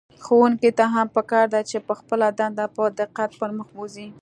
ښوونکي ته هم په کار ده چې خپله دنده په دقت پر مخ بوځي.